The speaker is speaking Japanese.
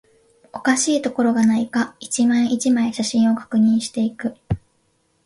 おかしいところがないか、一枚、一枚、写真を確認していく